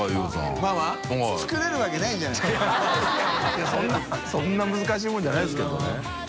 いやそんな難しいものじゃないですけどね。